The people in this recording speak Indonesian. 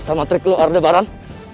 sama trik lo ardebaran